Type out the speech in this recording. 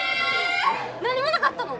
何もなかったの？